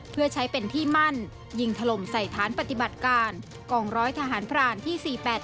เพื่อใช้เป็นที่มั่นยิงถล่มใส่ฐานปฏิบัติการกองร้อยทหารพรานที่๔๘๘